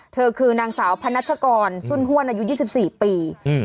เธอคือนางสาวพนัชกรสุนห้วนอายุ๒๔ปี